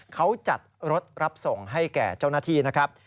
เขาจัดรถรับส่งให้แก่เจ้าหน้าที่นะครับ